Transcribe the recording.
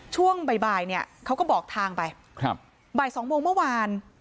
ช่วงบ่ายเนี่ยเขาก็บอกทางไปครับบ่ายสองโมงเมื่อวาน